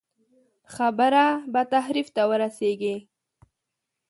خبره به تحریف ته ورسېږي.